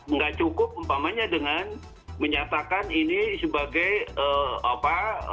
nggak cukup umpamanya dengan menyatakan ini sebagai apa